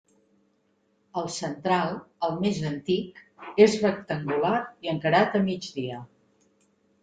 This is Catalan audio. El central, el més antic, és rectangular i encarat a migdia.